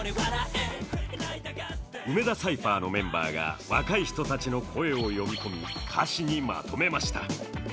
梅田サイファーのメンバーが若い人たちの「声」を読み込み歌詞にまとめました。